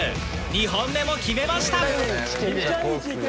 ２本目も決めました